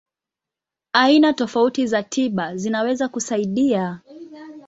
Aina tofauti za tiba zinaweza kusaidia.